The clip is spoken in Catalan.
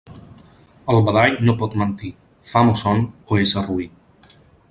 El badall no pot mentir: fam o son o ésser roí.